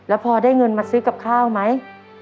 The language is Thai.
แล้วพอได้เงินมาซื้อกับข้าวไหม